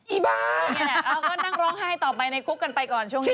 อีบ้าเนี่ยเอาก็นั่งร้องไห้ต่อไปในคุกกันไปก่อนช่วงนี้